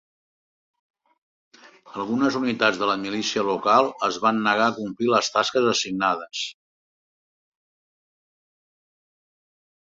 Algunes unitats de la milícia local es van negar a complir les tasques assignades.